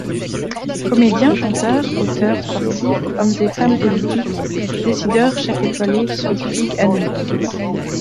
Comédiens, chanteurs, auteurs, sportifs, hommes et femmes politiques, décideurs, chefs étoilés, scientifiques, anonymes.